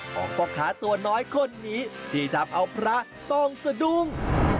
ของพ่อค้าตัวน้อยคนนี้ที่ทำเอาพระต้องสะดุ้ง